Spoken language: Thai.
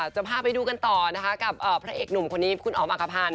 จะพาไปดูกันต่อนะคะกับพระเอกหนุ่มคนนี้คุณอ๋อมอักภัณฑ์